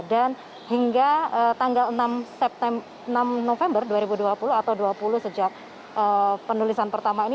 dan hingga tanggal enam november dua ribu dua puluh atau dua ribu dua puluh sejak penulisan pertama ini